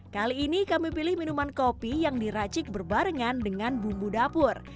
kali ini kami pilih minuman kopi yang diracik berbarengan dengan bumbu dapur